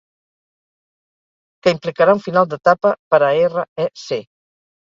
Que implicara un final d'etapa per a erra e ce.